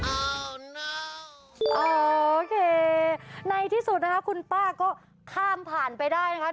โอเคในที่สุดนะคะคุณป้าก็ข้ามผ่านไปได้นะคะ